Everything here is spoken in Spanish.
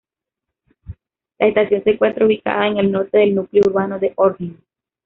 La estación se encuentra ubicada en el norte del núcleo urbano de Horgen.